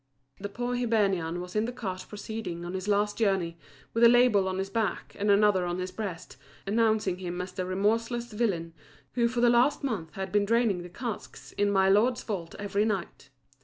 The poor Hibernian was in the cart proceeding on his last journey, with a label on his back, and another on his breast, announcing him as the remorseless villain who for the last month had been draining the casks in my lord's vault every night.